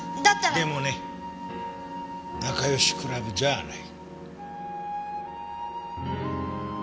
でもね仲よしクラブじゃあない。